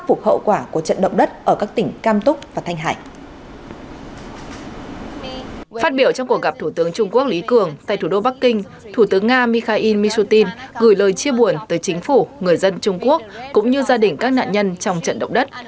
phát biểu cuộc gặp thủ tướng trung quốc lý cường tại thủ đô bắc kinh thủ tướng nga mikhail mishutin gửi lời chia buồn tới chính phủ người dân trung quốc cũng như gia đình các nạn nhân trong trận động đất